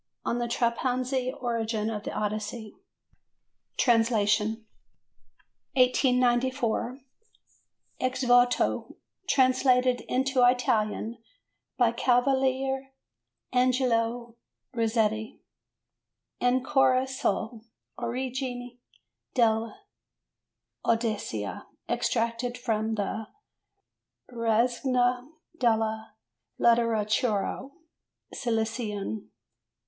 "On the Trapanese Origin of the Odyssey" (Translation). 1894. Ex Voto translated into Italian by Cavaliere Angelo Rizzetti. "Ancora sull' origine dell' Odissea." Extracted from the Rassegna della Letteratura Siciliana.